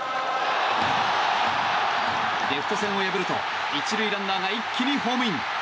レフト線を破ると１塁ランナーが一気にホームイン！